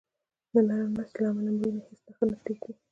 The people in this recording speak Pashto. د نرم نسج له امله مړینه هیڅ نښه نه پرېږدي.